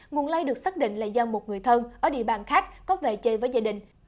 nguồn lây được xác định là do một người thân ở địa bàn khác có về chơi với gia đình